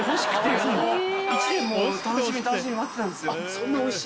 そんなおいしい。